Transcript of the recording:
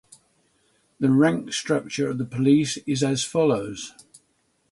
The rank structure of the police is as follows.